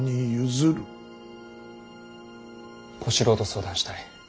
小四郎と相談したい。